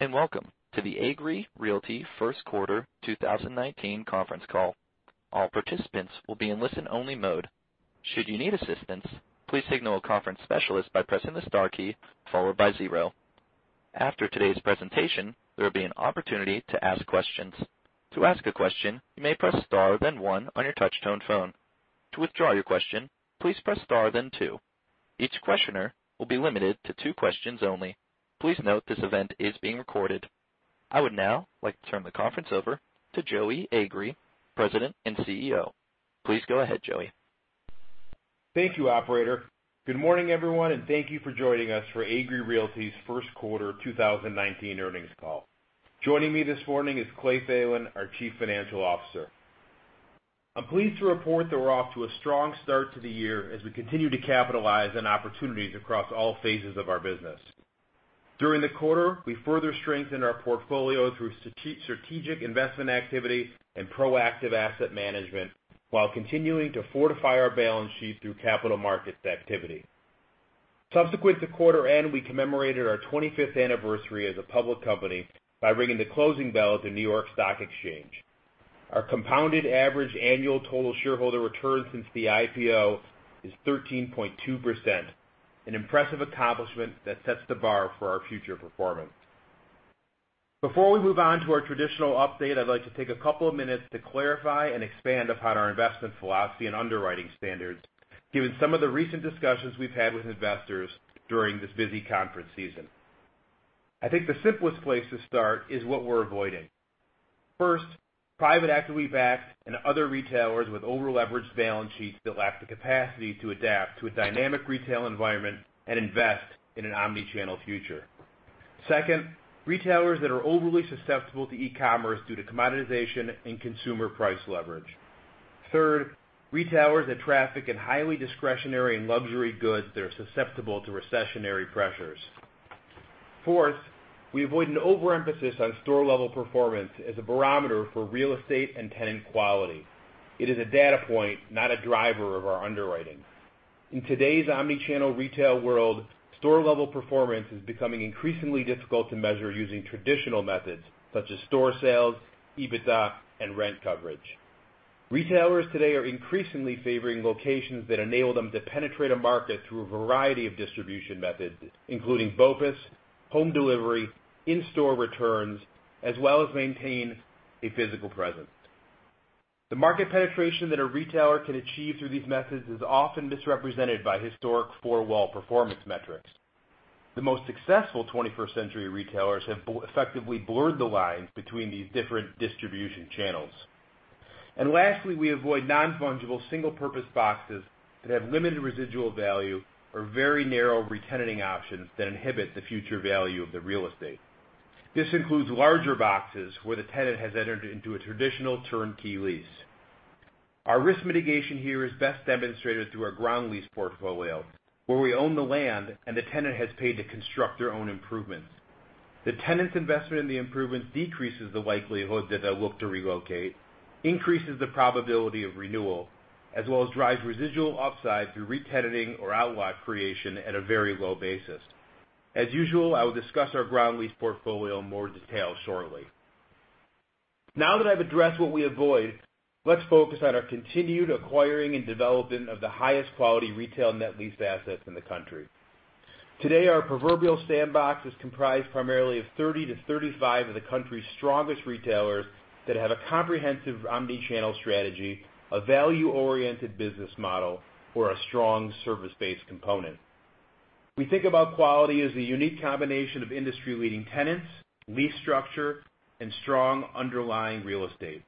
Welcome to the Agree Realty first quarter 2019 conference call. All participants will be in listen only mode. Should you need assistance, please signal a conference specialist by pressing the star key followed by zero. After today's presentation, there will be an opportunity to ask questions. To ask a question, you may press star then one on your touch tone phone. To withdraw your question, please press star then two. Each questioner will be limited to two questions only. Please note this event is being recorded. I would now like to turn the conference over to Joey Agree, President and CEO. Please go ahead, Joey. Thank you, operator. Good morning everyone, and thank you for joining us for Agree Realty's first quarter 2019 earnings call. Joining me this morning is Clay Thelen, our Chief Financial Officer. I'm pleased to report that we're off to a strong start to the year as we continue to capitalize on opportunities across all phases of our business. During the quarter, we further strengthened our portfolio through strategic investment activity and proactive asset management while continuing to fortify our balance sheet through capital markets activity. Subsequent to quarter end, we commemorated our 25th anniversary as a public company by ringing the closing bell at the New York Stock Exchange. Our compounded average annual total shareholder return since the IPO is 13.2%, an impressive accomplishment that sets the bar for our future performance. Before we move on to our traditional update, I'd like to take a couple of minutes to clarify and expand upon our investment philosophy and underwriting standards, given some of the recent discussions we've had with investors during this busy conference season. I think the simplest place to start is what we're avoiding. First, private actively backed and other retailers with over-leveraged balance sheets that lack the capacity to adapt to a dynamic retail environment and invest in an omni-channel future. Second, retailers that are overly susceptible to e-commerce due to commoditization and consumer price leverage. Third, retailers that traffic in highly discretionary and luxury goods that are susceptible to recessionary pressures. Fourth, we avoid an overemphasis on store-level performance as a barometer for real estate and tenant quality. It is a data point, not a driver of our underwriting. In today's omni-channel retail world, store-level performance is becoming increasingly difficult to measure using traditional methods such as store sales, EBITDA, and rent coverage. Retailers today are increasingly favoring locations that enable them to penetrate a market through a variety of distribution methods, including BOPUS, home delivery, in-store returns, as well as maintain a physical presence. The market penetration that a retailer can achieve through these methods is often misrepresented by historic four-wall performance metrics. The most successful 21st century retailers have effectively blurred the lines between these different distribution channels. Lastly, we avoid non-fungible single purpose boxes that have limited residual value or very narrow re-tenanting options that inhibit the future value of the real estate. This includes larger boxes where the tenant has entered into a traditional turnkey lease. Our risk mitigation here is best demonstrated through our ground lease portfolio, where we own the land and the tenant has paid to construct their own improvements. The tenant's investment in the improvements decreases the likelihood that they'll look to relocate, increases the probability of renewal, as well as drives residual upside through re-tenanting or outlot creation at a very low basis. As usual, I will discuss our ground lease portfolio in more detail shortly. Now that I've addressed what we avoid, let's focus on our continued acquiring and development of the highest quality retail net lease assets in the country. Today, our proverbial sandbox is comprised primarily of 30 to 35 of the country's strongest retailers that have a comprehensive omni-channel strategy, a value-oriented business model, or a strong service-based component. We think about quality as a unique combination of industry-leading tenants, lease structure, and strong underlying real estate.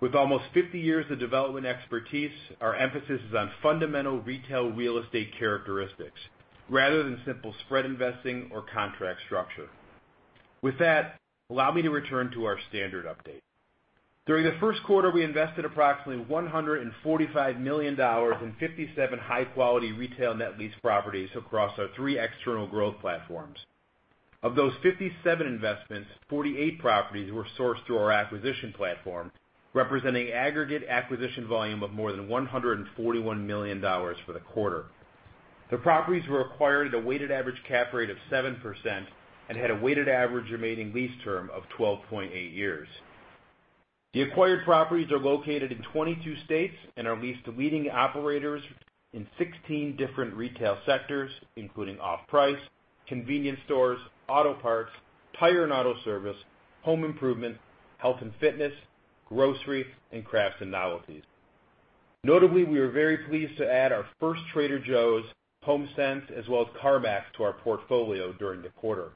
With almost 50 years of development expertise, our emphasis is on fundamental retail real estate characteristics rather than simple spread investing or contract structure. With that, allow me to return to our standard update. During the first quarter, we invested approximately $145 million in 57 high-quality retail net lease properties across our three external growth platforms. Of those 57 investments, 48 properties were sourced through our acquisition platform, representing aggregate acquisition volume of more than $141 million for the quarter. The properties were acquired at a weighted average cap rate of 7% and had a weighted average remaining lease term of 12.8 years. The acquired properties are located in 22 states and are leased to leading operators in 16 different retail sectors, including off-price, convenience stores, auto parts, tire and auto service, home improvement, health and fitness, grocery, and crafts and novelties. Notably, we are very pleased to add our first Trader Joe's, HomeSense, as well as CarMax to our portfolio during the quarter.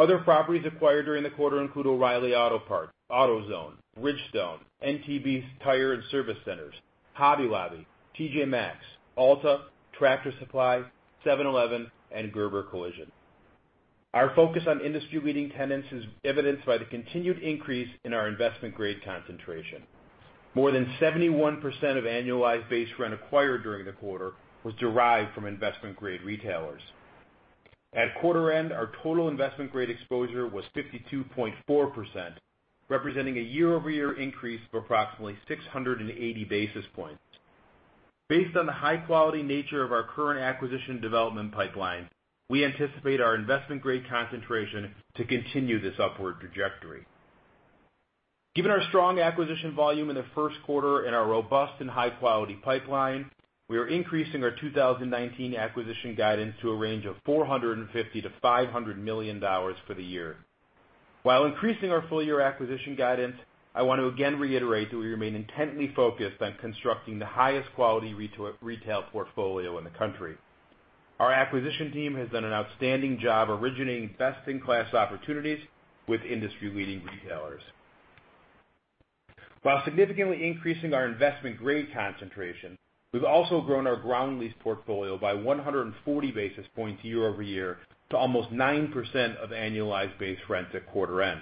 Other properties acquired during the quarter include O'Reilly Auto Parts, AutoZone, Bridgestone, NTB Tire and Service Centers, Hobby Lobby, TJ Maxx, Ulta, Tractor Supply, 7-Eleven, and Gerber Collision. Our focus on industry-leading tenants is evidenced by the continued increase in our investment grade concentration. More than 71% of annualized base rent acquired during the quarter was derived from investment-grade retailers. At quarter end, our total investment grade exposure was 52.4%, representing a year-over-year increase of approximately 680 basis points. Based on the high-quality nature of our current acquisition development pipeline, we anticipate our investment-grade concentration to continue this upward trajectory. Given our strong acquisition volume in the first quarter and our robust and high-quality pipeline, we are increasing our 2019 acquisition guidance to a range of $450 million-$500 million for the year. While increasing our full-year acquisition guidance, I want to again reiterate that we remain intently focused on constructing the highest quality retail portfolio in the country. Our acquisition team has done an outstanding job originating best-in-class opportunities with industry-leading retailers. While significantly increasing our investment-grade concentration, we've also grown our ground lease portfolio by 140 basis points year-over-year to almost 9% of annualized base rents at quarter end.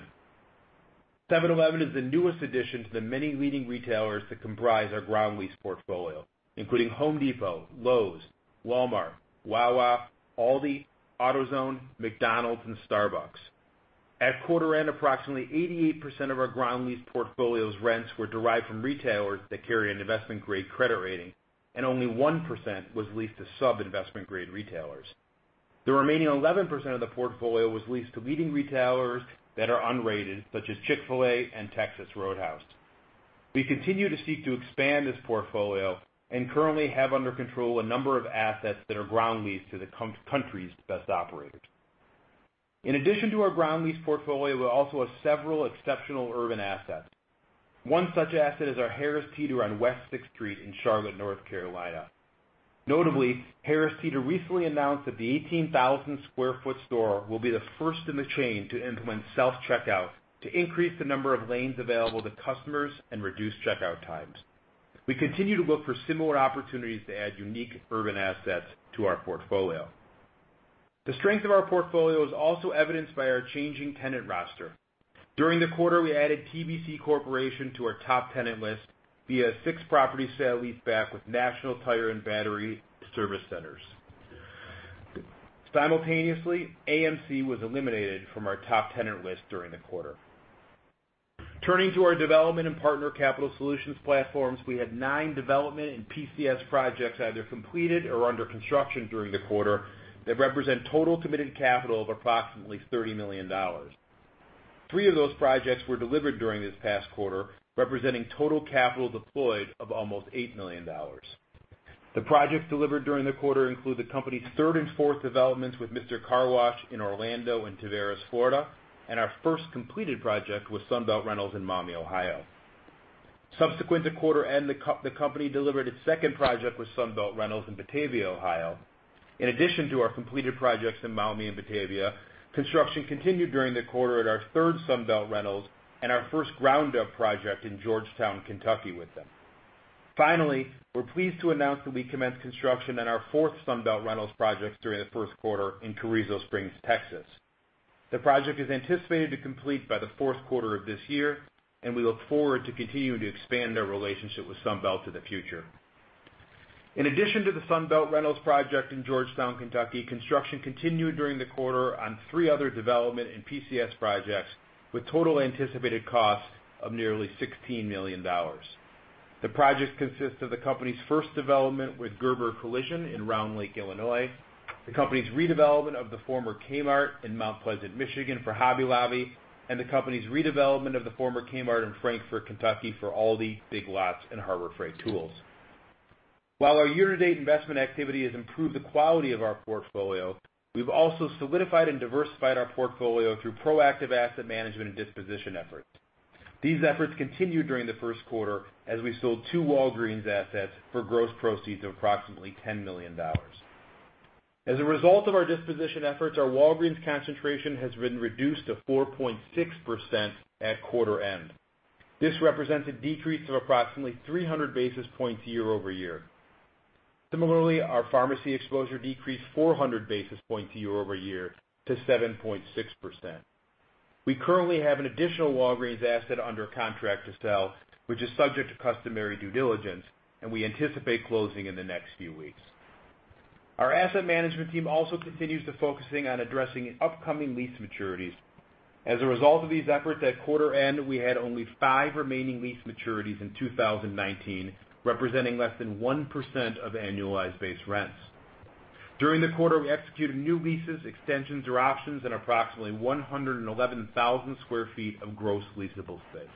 7-Eleven is the newest addition to the many leading retailers that comprise our ground lease portfolio, including Home Depot, Lowe's, Walmart, Wawa, Aldi, AutoZone, McDonald's, and Starbucks. At quarter end, approximately 88% of our ground lease portfolio's rents were derived from retailers that carry an investment-grade credit rating, and only 1% was leased to sub-investment grade retailers. The remaining 11% of the portfolio was leased to leading retailers that are unrated, such as Chick-fil-A and Texas Roadhouse. We continue to seek to expand this portfolio and currently have under control a number of assets that are ground leased to the country's best operators. In addition to our ground lease portfolio, we also have several exceptional urban assets. One such asset is our Harris Teeter on West Sixth Street in Charlotte, North Carolina. Notably, Harris Teeter recently announced that the 18,000 sq ft store will be the first in the chain to implement self-checkout to increase the number of lanes available to customers and reduce checkout times. We continue to look for similar opportunities to add unique urban assets to our portfolio. The strength of our portfolio is also evidenced by our changing tenant roster. During the quarter, we added TBC Corporation to our top tenant list via a six-property sale leaseback with National Tire and Battery service centers. Simultaneously, AMC was eliminated from our top tenant list during the quarter. Turning to our development and partner capital solutions platforms, we had nine development and PCS projects either completed or under construction during the quarter that represent total committed capital of approximately $30 million. Three of those projects were delivered during this past quarter, representing total capital deployed of almost $8 million. The projects delivered during the quarter include the company's third and fourth developments with Mister Car Wash in Orlando and Tavares, Florida, and our first completed project with Sunbelt Rentals in Maumee, Ohio. Subsequent to quarter end, the company delivered its second project with Sunbelt Rentals in Batavia, Ohio. In addition to our completed projects in Maumee and Batavia, construction continued during the quarter at our third Sunbelt Rentals and our first ground-up project in Georgetown, Kentucky, with them. Finally, we're pleased to announce that we commenced construction on our fourth Sunbelt Rentals projects during the first quarter in Carrizo Springs, Texas. The project is anticipated to complete by the fourth quarter of this year, and we look forward to continuing to expand our relationship with Sunbelt to the future. In addition to the Sunbelt Rentals project in Georgetown, Kentucky, construction continued during the quarter on three other development and PCS projects, with total anticipated cost of nearly $16 million. The projects consist of the company's first development with Gerber Collision in Round Lake, Illinois, the company's redevelopment of the former Kmart in Mount Pleasant, Michigan for Hobby Lobby, and the company's redevelopment of the former Kmart in Frankfort, Kentucky for Aldi, Big Lots, and Harbor Freight Tools. While our year-to-date investment activity has improved the quality of our portfolio, we've also solidified and diversified our portfolio through proactive asset management and disposition efforts. These efforts continued during the first quarter as we sold two Walgreens assets for gross proceeds of approximately $10 million. As a result of our disposition efforts, our Walgreens concentration has been reduced to 4.6% at quarter end. This represents a decrease of approximately 300 basis points year-over-year. Similarly, our pharmacy exposure decreased 400 basis points year-over-year to 7.6%. We currently have an additional Walgreens asset under contract to sell, which is subject to customary due diligence, and we anticipate closing in the next few weeks. Our asset management team also continues to focusing on addressing upcoming lease maturities. As a result of these efforts, at quarter end, we had only five remaining lease maturities in 2019, representing less than 1% of annualized base rents. During the quarter, we executed new leases, extensions or options in approximately 111,000 square feet of gross leasable space.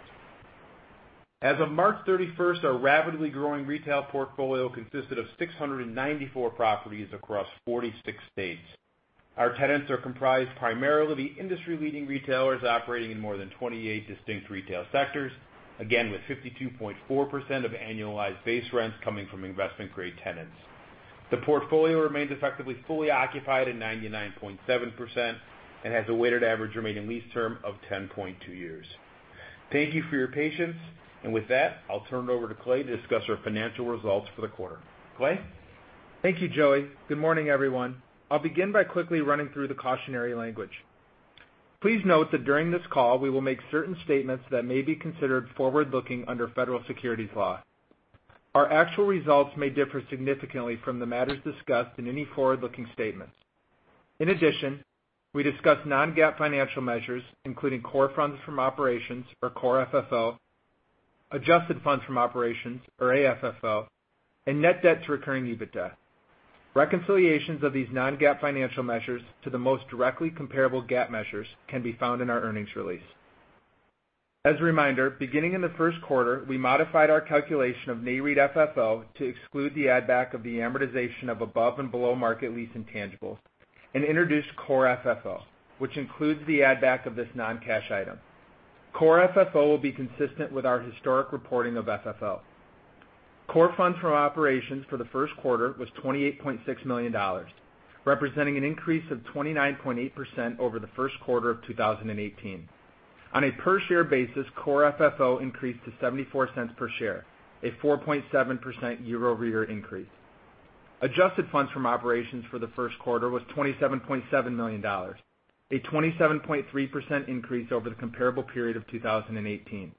As of March 31st, our rapidly growing retail portfolio consisted of 694 properties across 46 states. Our tenants are comprised primarily of industry-leading retailers operating in more than 28 distinct retail sectors, again, with 52.4% of annualized base rents coming from investment-grade tenants. The portfolio remains effectively fully occupied at 99.7% and has a weighted average remaining lease term of 10.2 years. Thank you for your patience, and with that, I'll turn it over to Clay Thelen to discuss our financial results for the quarter. Clay? Thank you, Joey. Good morning, everyone. I'll begin by quickly running through the cautionary language. Please note that during this call, we will make certain statements that may be considered forward-looking under federal securities law. We discuss non-GAAP financial measures, including core funds from operations or core FFO, adjusted funds from operations or AFFO, and net debt to recurring EBITDA. Reconciliations of these non-GAAP financial measures to the most directly comparable GAAP measures can be found in our earnings release. Beginning in the first quarter, we modified our calculation of NAREIT FFO to exclude the add-back of the amortization of above and below market lease intangibles and introduced core FFO, which includes the add-back of this non-cash item. Core FFO will be consistent with our historic reporting of FFO. Core funds from operations for the first quarter was $28.6 million, representing an increase of 29.8% over the first quarter of 2018. On a per-share basis, core FFO increased to $0.74 per share, a 4.7% year-over-year increase. Adjusted funds from operations for the first quarter was $27.7 million, a 27.3% increase over the comparable period of 2018.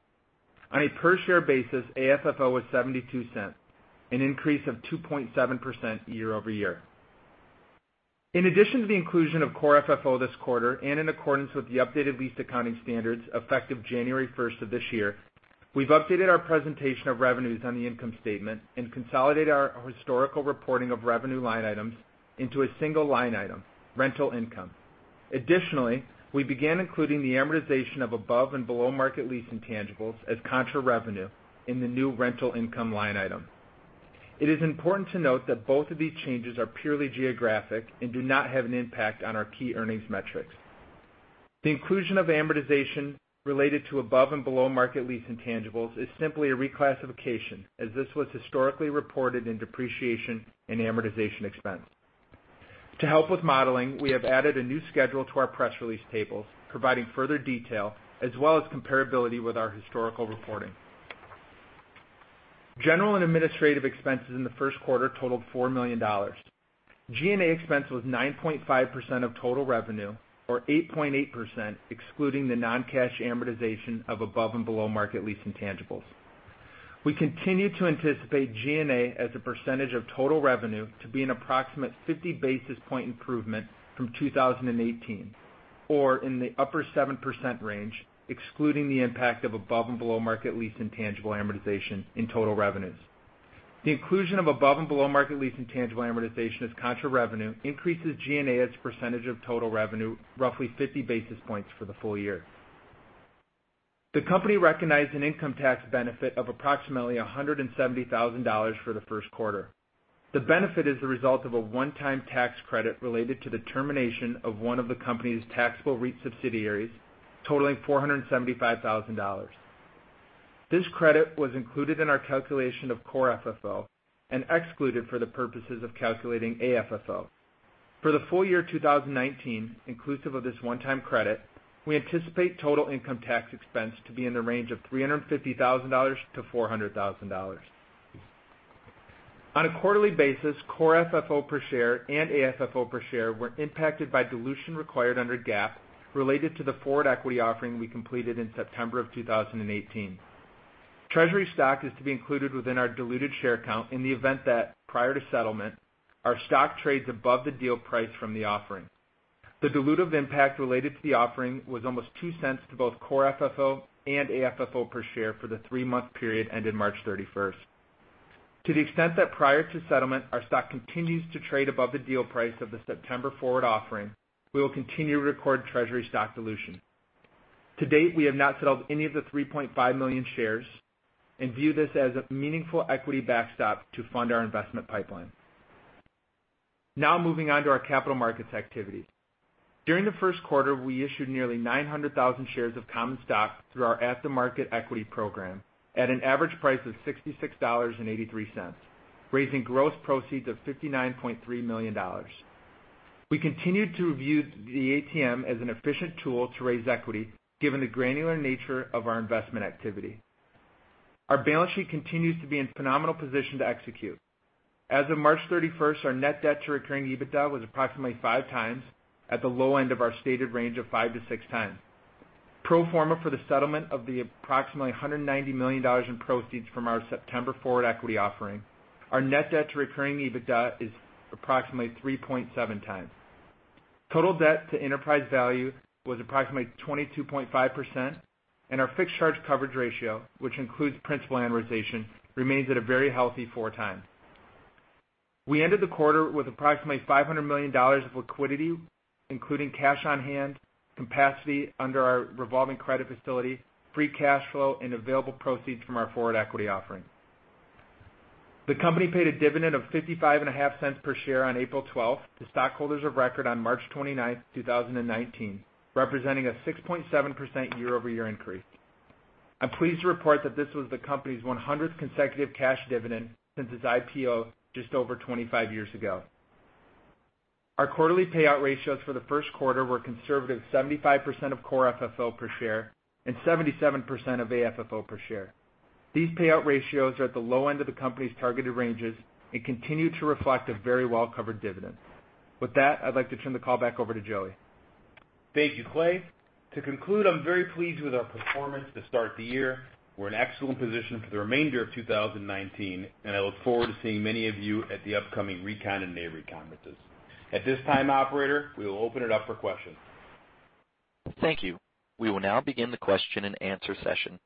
On a per-share basis, AFFO was $0.72, an increase of 2.7% year-over-year. To the inclusion of core FFO this quarter, and in accordance with the updated lease accounting standards effective January 1st of this year, we've updated our presentation of revenues on the income statement and consolidate our historical reporting of revenue line items into a single line item, rental income. We began including the amortization of above and below market lease intangibles as contra revenue in the new rental income line item. It is important to note that both of these changes are purely geographic and do not have an impact on our key earnings metrics. The inclusion of amortization related to above and below market lease intangibles is simply a reclassification, as this was historically reported in depreciation and amortization expense. To help with modeling, we have added a new schedule to our press release tables, providing further detail as well as comparability with our historical reporting. General and administrative expenses in the first quarter totaled $4 million. G&A expense was 9.5% of total revenue, or 8.8% excluding the non-cash amortization of above and below market lease intangibles. We continue to anticipate G&A as a percentage of total revenue to be an approximate 50 basis point improvement from 2018, or in the upper 7% range, excluding the impact of above and below market lease intangible amortization in total revenues. The inclusion of above and below market lease intangible amortization as contra revenue increases G&A as a percentage of total revenue roughly 50 basis points for the full year. The company recognized an income tax benefit of approximately $170,000 for the first quarter. The benefit is the result of a one-time tax credit related to the termination of one of the company's taxable REIT subsidiaries totaling $475,000. This credit was included in our calculation of core FFO and excluded for the purposes of calculating AFFO. For the full year 2019, inclusive of this one-time credit, we anticipate total income tax expense to be in the range of $350,000-$400,000. On a quarterly basis, core FFO per share and AFFO per share were impacted by dilution required under GAAP related to the forward equity offering we completed in September of 2018. Treasury stock is to be included within our diluted share count in the event that, prior to settlement, our stock trades above the deal price from the offering. The dilutive impact related to the offering was almost $0.02 to both core FFO and AFFO per share for the three-month period ended March 31st. To the extent that prior to settlement, our stock continues to trade above the deal price of the September forward offering, we will continue to record treasury stock dilution. To date, we have not settled any of the 3.5 million shares and view this as a meaningful equity backstop to fund our investment pipeline. Moving on to our capital markets activities. During the first quarter, we issued nearly 900,000 shares of common stock through our at-the-market equity program at an average price of $66.83, raising gross proceeds of $59.3 million. We continued to view the ATM as an efficient tool to raise equity given the granular nature of our investment activity. Our balance sheet continues to be in phenomenal position to execute. As of March 31st, our net debt to recurring EBITDA was approximately five times at the low end of our stated range of five to six times. Pro forma for the settlement of the approximately $190 million in proceeds from our September forward equity offering, our net debt to recurring EBITDA is approximately 3.7 times. Total debt to enterprise value was approximately 22.5%, and our fixed charge coverage ratio, which includes principal amortization, remains at a very healthy four times. We ended the quarter with approximately $500 million of liquidity, including cash on hand, capacity under our revolving credit facility, free cash flow, and available proceeds from our forward equity offering. The company paid a dividend of 55 and a half cents per share on April 12th to stockholders of record on March 29th, 2019, representing a 6.7% year-over-year increase. I'm pleased to report that this was the company's 100th consecutive cash dividend since its IPO just over 25 years ago. Our quarterly payout ratios for the first quarter were conservative 75% of core FFO per share and 77% of AFFO per share. These payout ratios are at the low end of the company's targeted ranges and continue to reflect a very well-covered dividend. With that, I'd like to turn the call back over to Joey. Thank you, Clay. To conclude, I'm very pleased with our performance to start the year. We're in excellent position for the remainder of 2019. I look forward to seeing many of you at the upcoming RECon and NAREIT conferences. At this time, operator, we will open it up for questions. Thank you. We will now begin the question and answer session.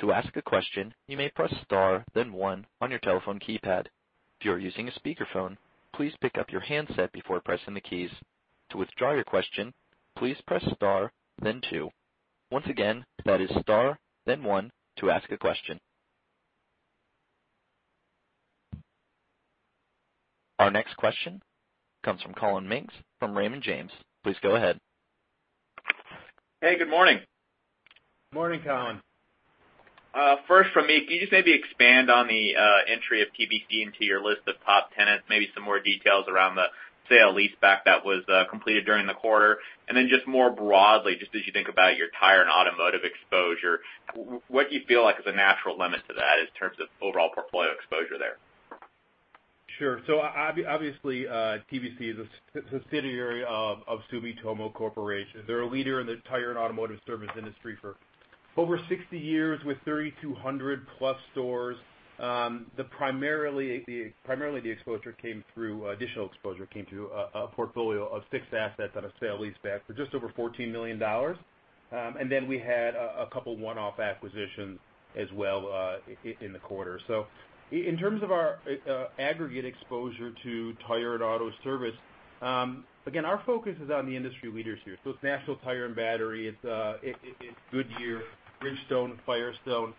To ask a question, you may press star then one on your telephone keypad. If you are using a speakerphone, please pick up your handset before pressing the keys. To withdraw your question, please press star then two. Once again, that is star then one to ask a question. Our next question comes from Collin Mings from Raymond James. Please go ahead. Hey, good morning. Morning, Collin. First from me, can you just maybe expand on the entry of TBC into your list of top tenants, maybe some more details around the sale leaseback that was completed during the quarter. Just more broadly, just as you think about your tire and automotive exposure, what do you feel like is a natural limit to that in terms of overall portfolio exposure there? Sure. Obviously, TBC is a subsidiary of Sumitomo Corporation. They're a leader in the tire and automotive service industry for over 60 years with 3,200+ stores. Primarily, the additional exposure came through a portfolio of fixed assets on a sale leaseback for just over $14 million. We had a couple one-off acquisitions as well in the quarter. In terms of our aggregate exposure to tire and auto service, again, our focus is on the industry leaders here. It's National Tire and Battery, it's Goodyear, Bridgestone, Firestone.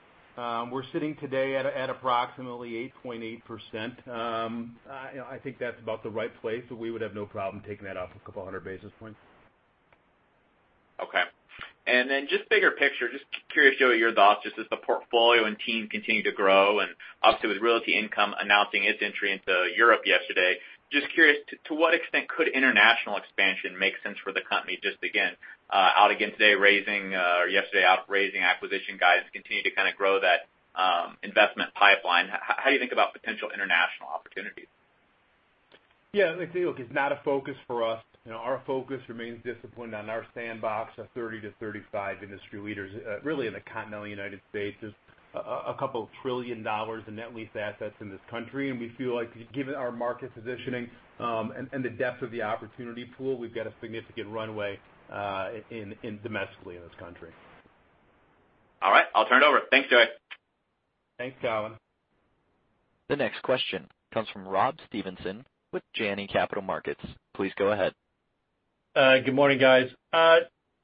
We're sitting today at approximately 8.8%. I think that's about the right place, so we would have no problem taking that up a couple hundred basis points. Okay. Just bigger picture, just curious your thoughts just as the portfolio and team continue to grow, and obviously with Realty Income announcing its entry into Europe yesterday. Just curious, to what extent could international expansion make sense for the company just again, out again today raising or yesterday out raising acquisition guides to continue to kind of grow that investment pipeline. How do you think about potential international opportunities? Yeah, look, it's not a focus for us. Our focus remains disciplined on our sandbox of 30-35 industry leaders, really in the continental U.S. There's a couple trillion dollars in net lease assets in this country, and we feel like given our market positioning, and the depth of the opportunity pool, we've got a significant runway domestically in this country. All right. I'll turn it over. Thanks, Joey. Thanks, Collin. The next question comes from Rob Stevenson with Janney Montgomery Scott. Please go ahead. Good morning, guys.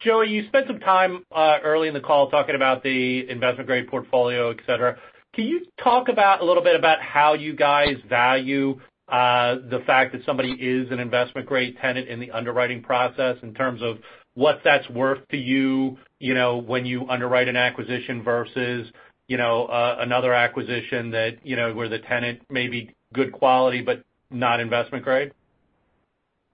Joey, you spent some time early in the call talking about the investment-grade portfolio, et cetera. Can you talk a little bit about how you guys value the fact that somebody is an investment-grade tenant in the underwriting process in terms of what that's worth to you, when you underwrite an acquisition versus another acquisition where the tenant may be good quality but not investment-grade?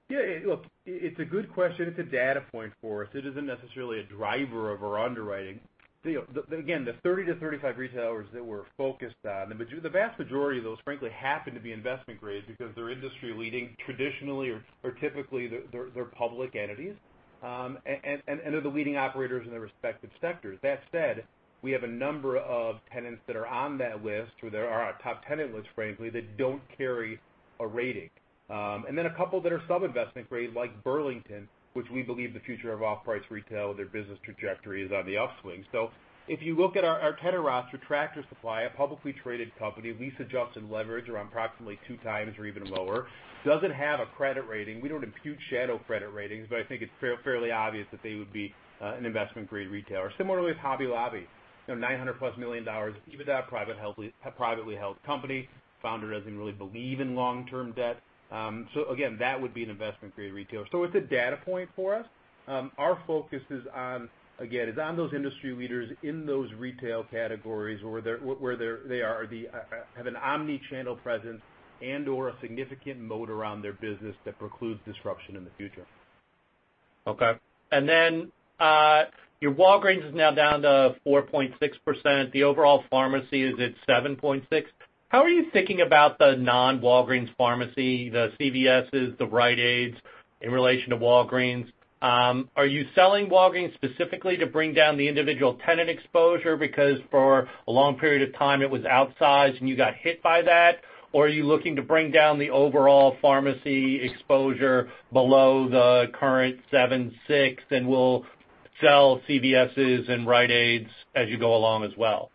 Yeah. Look, it's a good question. It's a data point for us. It isn't necessarily a driver of our underwriting. Again, the 30-35 retailers that we're focused on, the vast majority of those, frankly, happen to be investment-grade because they're industry leading. Traditionally or typically, they're public entities. They're the leading operators in their respective sectors. That said, we have a number of tenants that are on that list, who they are our top tenant list, frankly, that don't carry a rating. Then a couple that are sub-investment grade, like Burlington, which we believe the future of off-price retail, their business trajectory is on the upswing. If you look at our tenant roster, Tractor Supply, a publicly traded company, lease-adjusted leverage around approximately two times or even lower. Doesn't have a credit rating. We don't impute shadow credit ratings, but I think it's fairly obvious that they would be an investment-grade retailer. Similarly with Hobby Lobby, $900+ million, even though a privately held company, founder doesn't really believe in long-term debt. Again, that would be an investment-grade retailer. It's a data point for us. Our focus, again, is on those industry leaders in those retail categories where they have an omni-channel presence and/or a significant moat around their business that precludes disruption in the future. Okay. Then your Walgreens is now down to 4.6%. The overall pharmacy is at 7.6%. How are you thinking about the non-Walgreens pharmacy, the CVSes, the Rite Aids in relation to Walgreens? Are you selling Walgreens specifically to bring down the individual tenant exposure because for a long period of time it was outsized, and you got hit by that? Are you looking to bring down the overall pharmacy exposure below the current 7.6%, will sell CVSes and Rite Aids as you go along as well?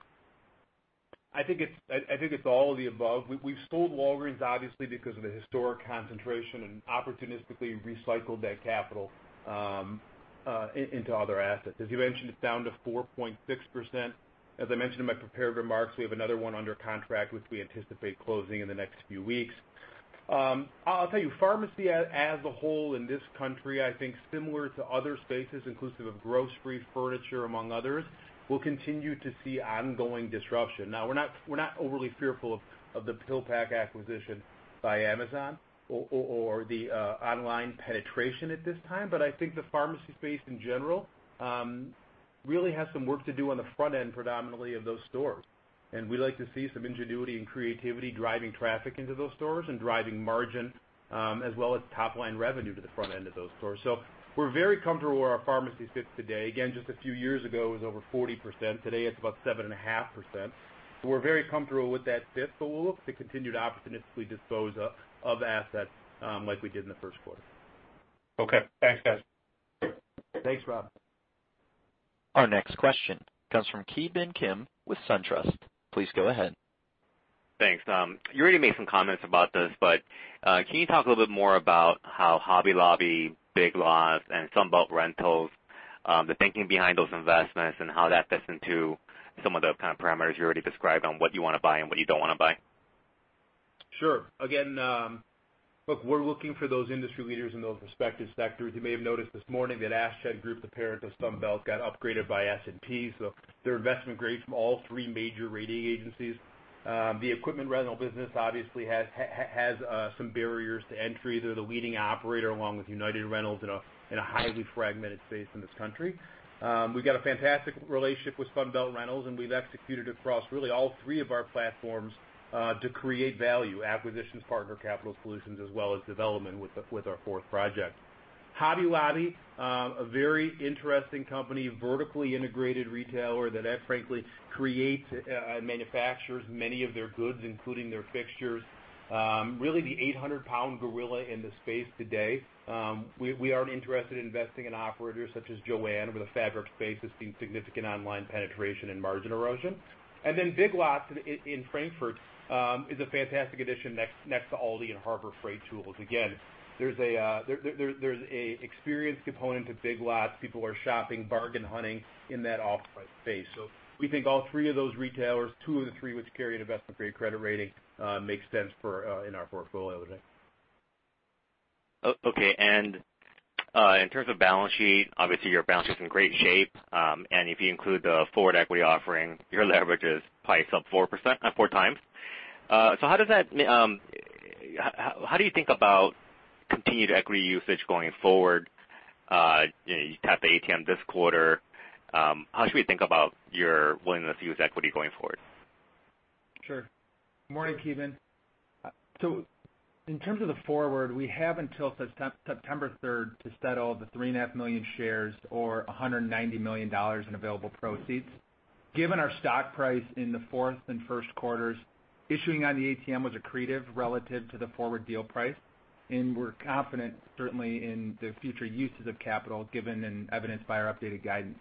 I think it's all of the above. We've sold Walgreens, obviously, because of the historic concentration and opportunistically recycled that capital into other assets. As you mentioned, it's down to 4.6%. As I mentioned in my prepared remarks, we have another one under contract, which we anticipate closing in the next few weeks. I'll tell you, pharmacy as a whole in this country, I think similar to other spaces, inclusive of grocery, furniture, among others, will continue to see ongoing disruption. We're not overly fearful of the PillPack acquisition by Amazon or the online penetration at this time. I think the pharmacy space in general-Really has some work to do on the front end, predominantly of those stores. We like to see some ingenuity and creativity driving traffic into those stores and driving margin, as well as top-line revenue to the front end of those stores. We're very comfortable where our pharmacy sits today. Again, just a few years ago, it was over 40%. Today, it's about 7.5%. We're very comfortable with that fit, but we'll look for continued opportunities to dispose of assets, like we did in the first quarter. Okay. Thanks, guys. Thanks, Rob. Our next question comes from Ki Bin Kim with SunTrust. Please go ahead. Thanks. You already made some comments about this, can you talk a little bit more about how Hobby Lobby, Big Lots, and Sunbelt Rentals, the thinking behind those investments and how that fits into some of the kind of parameters you already described on what you want to buy and what you don't want to buy? Sure. Again, look, we're looking for those industry leaders in those respective sectors. You may have noticed this morning that Ashtead Group, the parent of Sunbelt, got upgraded by S&P. They're investment grade from all three major rating agencies. The equipment rental business obviously has some barriers to entry. They're the leading operator along with United Rentals in a highly fragmented space in this country. We've got a fantastic relationship with Sunbelt Rentals, and we've executed across really all three of our platforms, to create value acquisitions, partner capital solutions, as well as development with our fourth project. Hobby Lobby, a very interesting company, vertically integrated retailer that frankly creates, manufactures many of their goods, including their fixtures. Really the 800-pound gorilla in the space today. We aren't interested in investing in operators such as Jo-Ann with a fabric space that's seen significant online penetration and margin erosion. Big Lots in Frankfort is a fantastic addition next to Aldi and Harbor Freight Tools. Again, there's an experience component to Big Lots. People are shopping, bargain hunting in that off-price space. We think all three of those retailers, two of the three which carry an investment-grade credit rating, make sense in our portfolio today. Okay. In terms of balance sheet, obviously your balance sheet's in great shape. If you include the forward equity offering, your leverage is probably up four times. How do you think about continued equity usage going forward? You tapped the ATM this quarter. How should we think about your willingness to use equity going forward? Sure. Morning, Ki Bin. In terms of the forward, we have until September 3rd to settle the three and a half million shares or $190 million in available proceeds. Given our stock price in the fourth and first quarters, issuing on the ATM was accretive relative to the forward deal price, and we're confident certainly in the future uses of capital, given and evidenced by our updated guidance.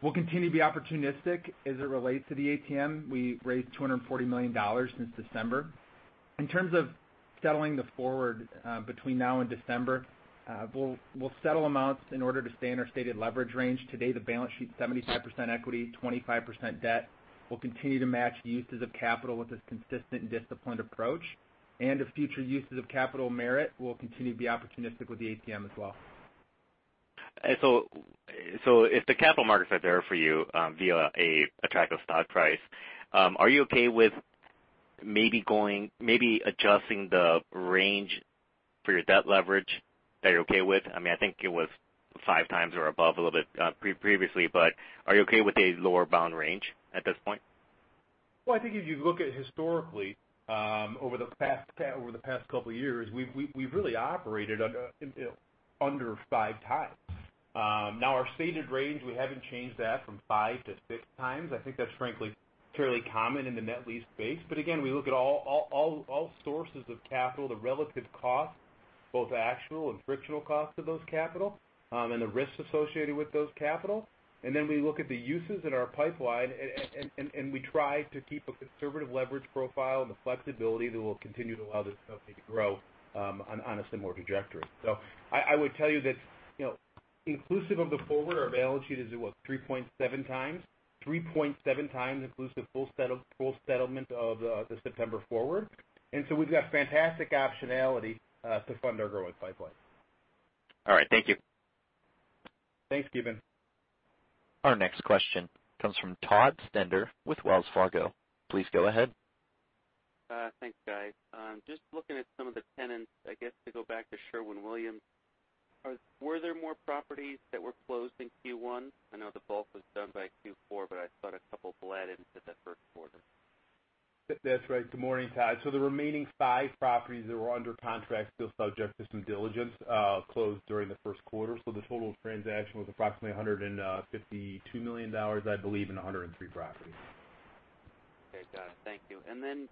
We'll continue to be opportunistic as it relates to the ATM. We raised $240 million since December. In terms of settling the forward between now and December, we'll settle amounts in order to stay in our stated leverage range. To date, the balance sheet's 75% equity, 25% debt. We'll continue to match uses of capital with this consistent, disciplined approach. If future uses of capital merit, we'll continue to be opportunistic with the ATM as well. If the capital markets are there for you, via attractive stock price, are you okay with maybe adjusting the range for your debt leverage that you're okay with? I think it was five times or above a little bit previously, but are you okay with a lower bound range at this point? Well, I think if you look at historically, over the past couple of years, we've really operated under five times. Now our stated range, we haven't changed that from five to six times. I think that's frankly fairly common in the net lease space. Again, we look at all sources of capital, the relative cost, both actual and frictional cost of those capital, and the risks associated with those capital. Then we look at the uses in our pipeline, and we try to keep a conservative leverage profile and the flexibility that will continue to allow this company to grow on a similar trajectory. I would tell you that inclusive of the forward, our balance sheet is at, what, 3.7 times. 3.7 times includes the full settlement of the September forward. We've got fantastic optionality to fund our growing pipeline. All right. Thank you. Thanks, Ki Bin. Our next question comes from Todd Stender with Wells Fargo. Please go ahead. Thanks, guys. Just looking at some of the tenants, I guess, to go back to Sherwin-Williams. Were there more properties that were closed in Q1? I know the bulk was done by Q4, but I thought a couple bled at that first quarter. That's right. Good morning, Todd. The remaining 5 properties that were under contract still subject to some diligence, closed during the first quarter. The total transaction was approximately $152 million, I believe, and 103 properties. Okay. Got it. Thank you.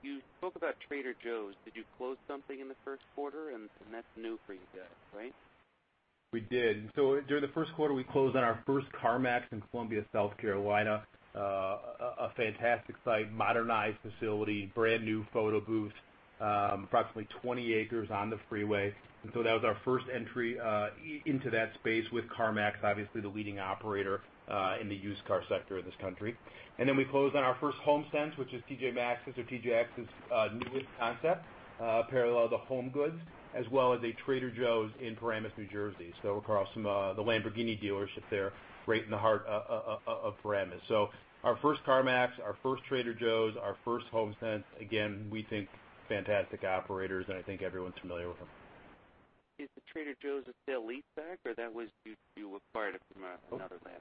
You spoke about Trader Joe's. Did you close something in the first quarter? That's new for you guys, right? We did. During the first quarter, we closed on our first CarMax in Columbia, South Carolina. A fantastic site, modernized facility, brand-new photo booth, approximately 20 acres on the freeway. That was our first entry into that space with CarMax, obviously the leading operator in the used car sector of this country. We closed on our first HomeSense, which is TJ Maxx's or TJX's newest concept, parallel to HomeGoods, as well as a Trader Joe's in Paramus, New Jersey. Across from the Lamborghini dealership there, right in the heart of Paramus. Our first CarMax, our first Trader Joe's, our first HomeSense. Again, we think fantastic operators, and I think everyone's familiar with them. Is the Trader Joe's a sale-leaseback or that was due to you acquired it from another landlord?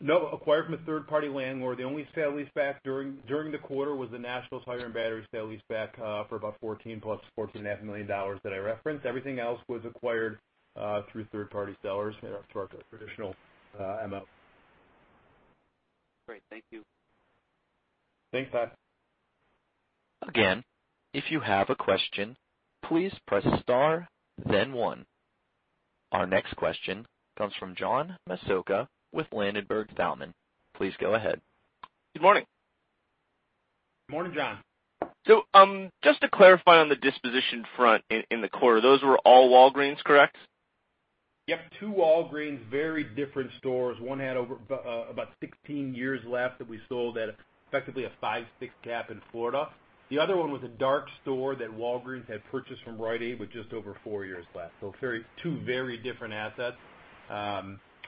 No, acquired from a third-party landlord. The only sale-leaseback during the quarter was the National Tire and Battery sale-leaseback, for about $14 plus $14.5 million that I referenced. Everything else was acquired through third-party sellers through our traditional MO. Great. Thank you. Thanks, Todd. Again, if you have a question, please press star then one. Our next question comes from John Massocca with Ladenburg Thalmann. Please go ahead. Good morning. Morning, John. Just to clarify on the disposition front in the quarter, those were all Walgreens, correct? Yep. Two Walgreens, very different stores. One had over about 16 years left that we sold at effectively a five, six cap in Florida. The other one was a dark store that Walgreens had purchased from Rite Aid with just over four years left. Two very different assets,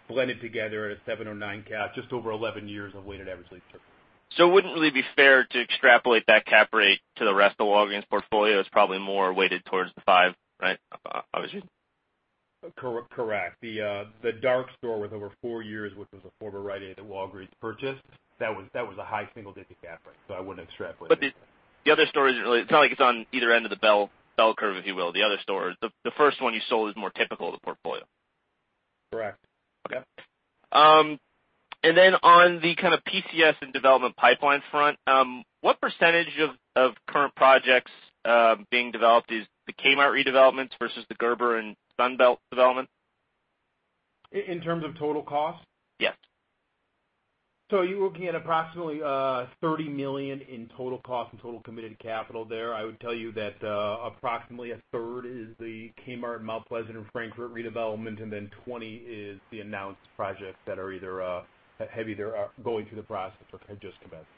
blended together at a seven or nine cap, just over 11 years of weighted average lease term. Wouldn't it be fair to extrapolate that cap rate to the rest of Walgreens portfolio? It's probably more weighted towards the five, right? Obviously. Correct. The dark store with over four years, which was a former Rite Aid that Walgreens purchased, that was a high single-digit cap rate, so I wouldn't extrapolate. The other stores, it's not like it's on either end of the bell curve, if you will. The other stores, the first one you sold is more typical of the portfolio. Correct. Okay. On the kind of PCS and development pipeline front, what percentage of current projects being developed is the Kmart redevelopments versus the Gerber and Sunbelt developments? In terms of total cost? Yes. You're looking at approximately $30 million in total cost and total committed capital there. I would tell you that approximately a third is the Kmart Mount Pleasant and Frankfort redevelopment, and then 20 is the announced projects that are either going through the process or have just commenced.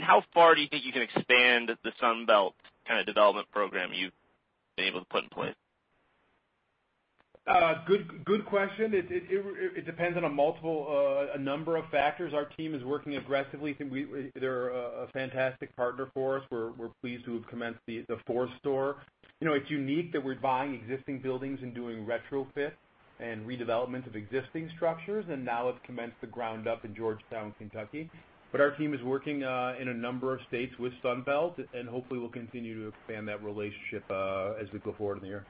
How far do you think you can expand the Sunbelt kind of development program you've been able to put in place? Good question. It depends on a number of factors. Our team is working aggressively. They're a fantastic partner for us. We're pleased to have commenced the fourth store. It's unique that we're buying existing buildings and doing retrofit and redevelopment of existing structures, and now have commenced the ground up in Georgetown, Kentucky. Our team is working in a number of states with Sunbelt, and hopefully we'll continue to expand that relationship as we go forward in the year.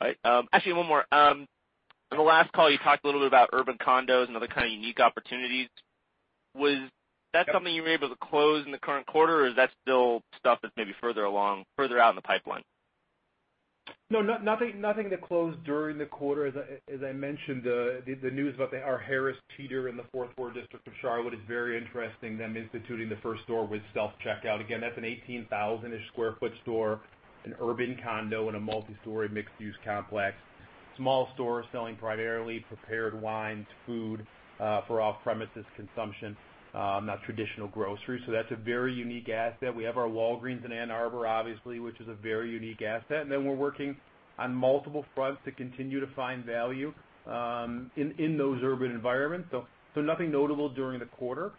All right. Actually, one more. On the last call, you talked a little bit about urban condos and other kind of unique opportunities. Was that something you were able to close in the current quarter, or is that still stuff that's maybe further along, further out in the pipeline? No, nothing that closed during the quarter. As I mentioned, the news about Harris Teeter in the Fourth Ward District of Charlotte is very interesting, them instituting the first store with self-checkout. Again, that's an 18,000-ish sq ft store, an urban condo in a multi-story mixed use complex. Small store selling primarily prepared wines, food, for off-premises consumption, not traditional grocery. That's a very unique asset. We have our Walgreens in Ann Arbor, obviously, which is a very unique asset. We're working on multiple fronts to continue to find value in those urban environments. Nothing notable during the quarter.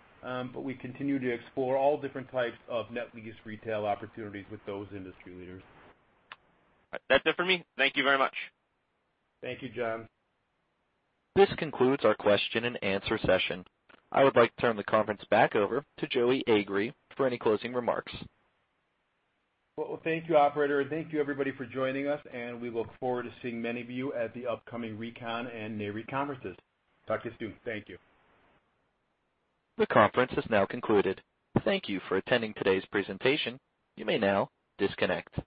We continue to explore all different types of net lease retail opportunities with those industry leaders. That's it for me. Thank you very much. Thank you, John. This concludes our question and answer session. I would like to turn the conference back over to Joey Agree for any closing remarks. Well, thank you, operator. Thank you everybody for joining us, and we look forward to seeing many of you at the upcoming RECon and NAREIT conferences. Talk to you soon. Thank you. The conference is now concluded. Thank you for attending today's presentation. You may now disconnect.